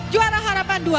juara harapan dua